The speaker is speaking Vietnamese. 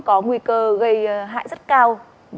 có nguy cơ gây hại rất cao